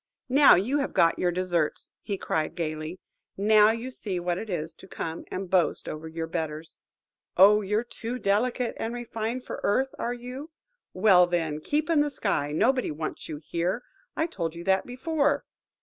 "Now you have got your deserts," cried he, gaily. "Now you see what it is to come and boast over your betters. Oh, you're too delicate and refined for earth, are you? Well, then, keep in the sky. Nobody wants you here–I told you that before.